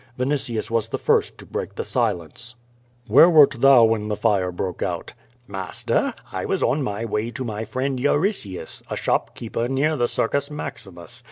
Vinitius was the first to break the silence. "AMiere wert thou when the fire broke out?" "Master, I was on my way to my friend Euritius, a shop keeper near the Circus Maximus.